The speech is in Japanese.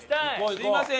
すいません。